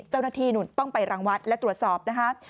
เจ้าหน้าที่ต้องไปรังวัดและตรวจสอบนะคะ